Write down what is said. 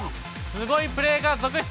すごいプレーが続出。